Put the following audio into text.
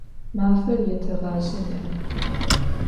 Mafer yêteğaje nı'ep.